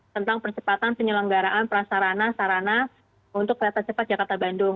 tentang percepatan penyelenggaraan prasarana sarana untuk kereta cepat jakarta bandung